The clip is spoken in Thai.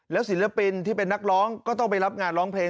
ศิลปินที่เป็นนักร้องก็ต้องไปรับงานร้องเพลง